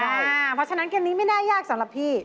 เพราะฉะนั้นเกมนี้ไม่น่ายากสำหรับพี่